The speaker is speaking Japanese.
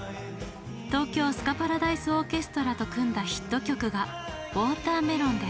東京スカパラダイスオーケストラと組んだヒット曲が「Ｗａｔｅｒｍｅｌｏｎ」です。